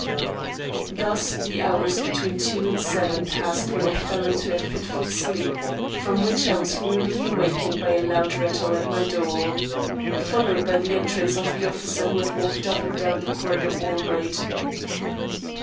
Thus the hours between two and seven passed when I fell into a fitful sleep, from which I was rudely wakened by a loud rattle at my door, followed by the entrance of the officer who had walked up and down the corridor all night.